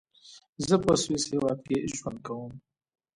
زۀ پۀ سويس هېواد کې ژوند کوم.